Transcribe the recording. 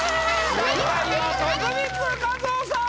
最下位は徳光和夫さん！